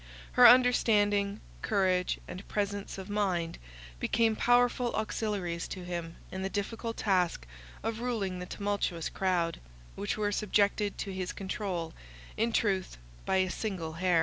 Her understanding, courage, and presence of mind, became powerful auxiliaries to him in the difficult task of ruling the tumultuous crowd, which were subjected to his control, in truth by a single hair.